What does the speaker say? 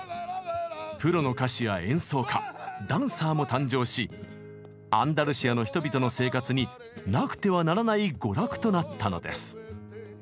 プロの歌手や演奏家ダンサーも誕生しアンダルシアの人々の生活になくてはならない娯楽となったのです。